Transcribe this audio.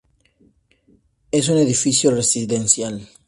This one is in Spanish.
Es un edificio residencial.